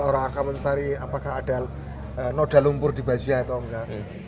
orang akan mencari apakah ada noda lumpur di bajunya atau enggak